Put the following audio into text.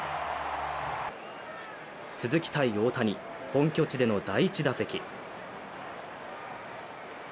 続きたい大谷本拠地での第１打席。